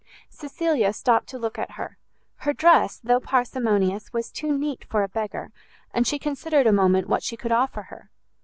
Cecilia stopt to look at her: her dress, though parsimonious, was too neat for a beggar, and she considered a moment what she could offer her.